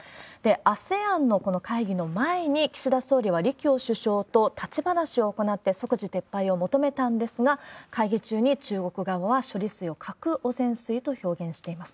ＡＳＥＡＮのこの会議の前に、岸田総理は李強首相と立ち話を行って、即時撤廃を求めたんですが、会議中に中国側は処理水を核汚染水と表現しています。